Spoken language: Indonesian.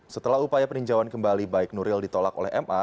setelah upaya peninjauan kembali baik nuril ditolak oleh ma